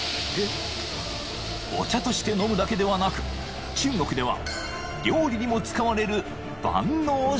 ［お茶として飲むだけではなく中国では］